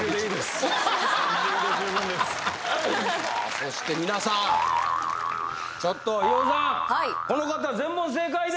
そして皆さんちょっとヒロドさんはいこの方全問正解で？